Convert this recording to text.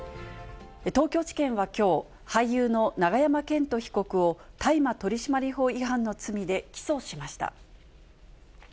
東京地検はきょう、俳優の永山絢斗被告を、大麻取締法違反の罪で起訴しました。